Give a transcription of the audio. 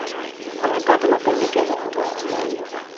amepata mapendekezo kadhaa ambayo